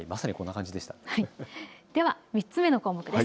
では３つ目の項目です。